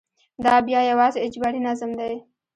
دا بیا یوازې اجباري نظم دی.